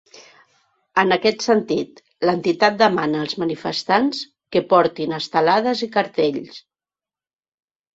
En aquest sentit, l’entitat demana als manifestants que portin estelades i cartells.